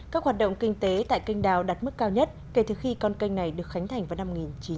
các hoạt động kinh tế tại kênh đảo đặt mức cao nhất kể từ khi con kênh này được khánh thành vào năm một nghìn chín trăm một mươi bốn